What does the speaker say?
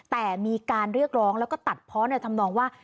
แต่มีการเรียกร้องแล้วก็ตัดพ่อทำนองว่า